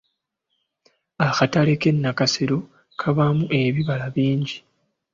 Akatale k’e Nakasero kabaamu ebibala bingi.